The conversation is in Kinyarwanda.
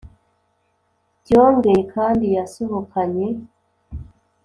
byomgeye kandi yasohokanye